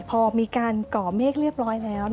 พอมีการก่อเมฆเรียบร้อยแล้ว